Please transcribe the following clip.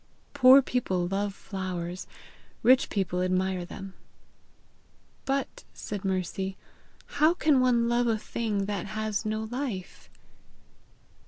Poor people love flowers; rich people admire them." "But," said Mercy, "how can one love a thing that has no life?"